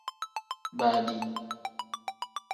Baadi.